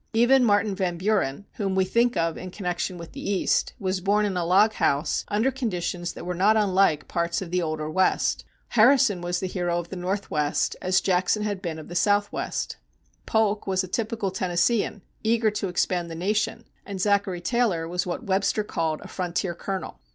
Even Martin Van Buren, whom we think of in connection with the East, was born in a log house under conditions that were not unlike parts of the older West. Harrison was the hero of the Northwest, as Jackson had been of the Southwest. Polk was a typical Tennesseean, eager to expand the nation, and Zachary Taylor was what Webster called a "frontier colonel."